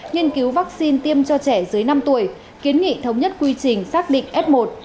nghiên cứu vaccine tiêm cho trẻ dưới năm tuổi kiến nghị thống nhất quy trình xác định f một